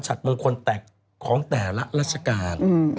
มงคลแตกของแต่ละราชการ